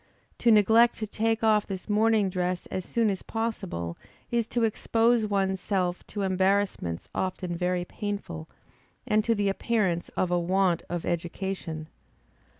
To neglect to take off this morning dress as soon as possible, is to expose one's self to embarrassments often very painful, and to the appearance of a want of education.